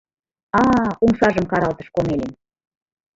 — А-а, — умшажым каралтыш Комелин.